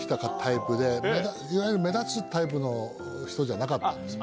いわゆる目立つタイプの人じゃなかったんですよ。